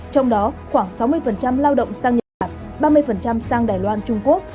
trong đó khoảng sáu mươi lao động sang nhật bản ba mươi sang đài loan trung quốc